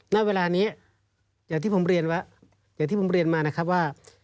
ในเวลานี้อย่างที่ผมเรียนว่า